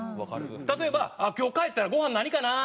例えば「今日帰ったらごはん何かな？」とか。